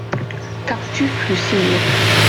Tartufe l'eût signé.